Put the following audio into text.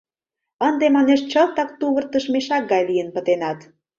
Ынде, манеш, чылтак тувыртыш мешак гай лийын пытенат!